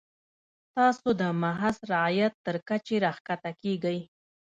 تاسو د محض رعیت تر کچې راښکته کیږئ.